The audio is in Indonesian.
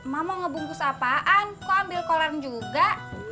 mak mau ngebungkus apaan kok ambil koran juga